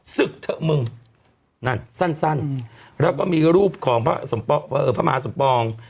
ศึกเถอะมึงนั่นสั้นแล้วก็มีรูปของพระมหาสมปอง